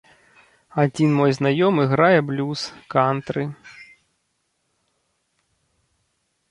Адзін мой знаёмы грае блюз, кантры.